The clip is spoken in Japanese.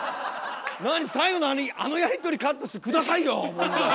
なに最後のあのやり取りカットして下さいよ問題！